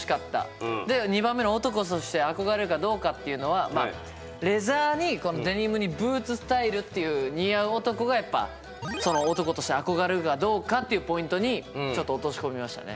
で２番目のレザーにデニムにブーツスタイルっていう似合う男がやっぱ男として憧れるかどうかっていうポイントにちょっと落とし込みましたね。